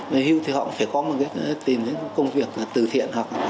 về hưu thì họ cũng phải có một cái tìm cái công việc từ thiện hoặc xã hội để làm